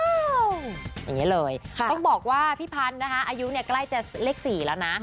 อย่างนี้เลยต้องบอกว่าพี่พันอายุใกล้จะเลข๔แล้วนะ